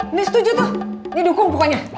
ini setuju tuh ini dukung pokoknya